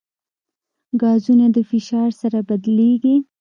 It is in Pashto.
ګازونه د فشار سره بدلېږي.